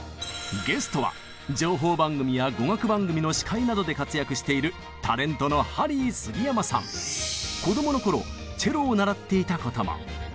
ゲストは情報番組や語学番組の司会などで活躍しているタレントの子どもの頃チェロを習っていたことも！